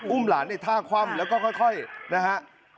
หลานในท่าคว่ำแล้วก็ค่อยนะฮะ